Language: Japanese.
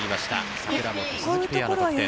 櫻本・鈴木ペアの得点。